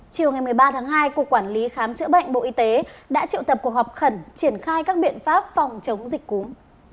chiều ngày một mươi ba tháng hai cục quản lý khám chữa bệnh bộ y tế đã triệu tập cuộc họp khẩn triển khai các biện pháp phòng chống dịch cúm